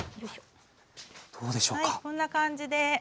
こんな感じで。